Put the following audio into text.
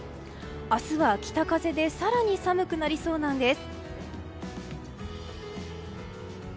明日は北風で更に寒くなりそうなんです。